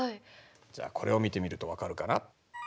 じゃあこれを見てみると分かるかな。